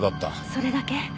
それだけ？